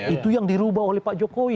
itu yang dirubah oleh pak jokowi